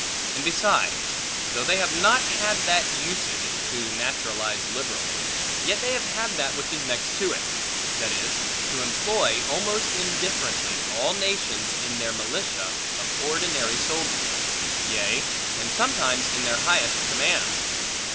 And besides, though they have not had that usage, to naturalize liberally, yet they have that which is next to it; that is, to employ, almost indifferently, all nations in their militia of ordinary soldiers; yea, and sometimes in their highest commands.